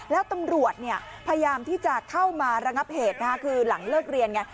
แล้วตำรวจพยายามที่จะเข้ามาระงับเหตุคือหลังเลิกเรียนไง